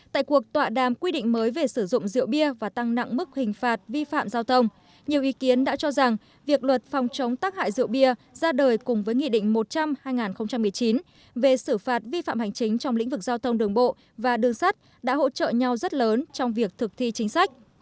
tại cuộc tọa đàm quy định mới về sử dụng rượu bia và tăng nặng mức hình phạt vi phạm giao thông nhiều ý kiến đã cho rằng việc luật phòng chống tác hại rượu bia ra đời cùng với nghị định một trăm linh hai nghìn một mươi chín về xử phạt vi phạm hành chính trong lĩnh vực giao thông đường bộ và đường sắt đã hỗ trợ nhau rất lớn trong việc thực thi chính sách